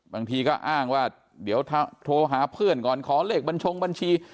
บางทีก็อ้างว่าเดี๋ยวโทรหาเพื่อนก่อนขอเลขบัญชงบัญชี